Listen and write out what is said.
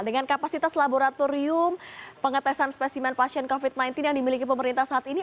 dengan kapasitas laboratorium pengetesan spesimen pasien covid sembilan belas yang dimiliki pemerintah saat ini